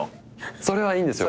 それはいいんですよ。